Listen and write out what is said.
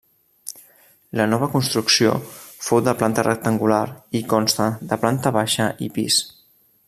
La nova construcció fou de planta rectangular i consta de planta baixa i pis.